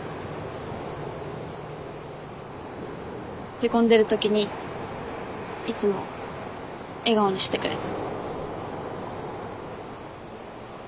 へこんでるときにいつも笑顔にしてくれた。